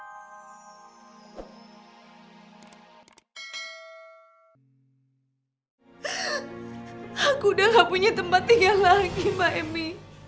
aku udah gak punya tempat tinggal lagi mbak emy